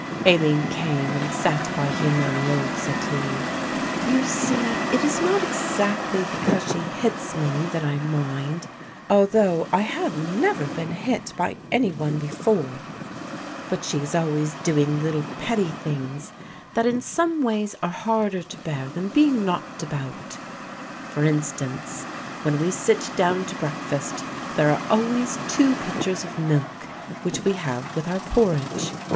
Aline came and sat by him on the old settee. "You see it is not exactly because she hits me that I mind, although I have never been hit by any one before; but she is always doing little petty things that in some ways are harder to bear than being knocked about; for instance, when we sit down to breakfast there are always two pitchers of milk, which we have with our porridge.